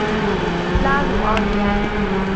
拉鲁奥迪埃。